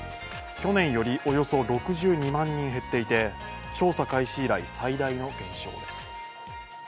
去年よりおよそ６２万人減っていて調査開始以来、最大の減少です。